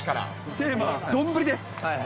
テーマは丼です。